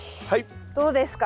どうですか？